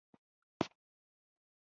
د روبیکان سیند ساحه ترسیم شوې ده.